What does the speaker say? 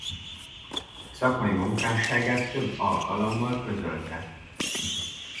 Szakmai munkásságát több alkalommal közölte.